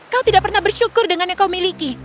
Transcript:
kau tidak pernah bersyukur dengan yang kau miliki